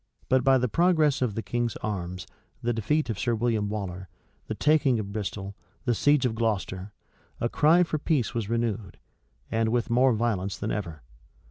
But by the progress of the king's arms, the defeat of Sir William Waller, the taking of Bristol, the siege of Gloucester, a cry for peace was renewed, and with more violence than ever.